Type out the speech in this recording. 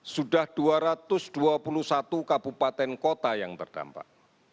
sudah dua ratus dua puluh satu kabupaten kota yang terdampak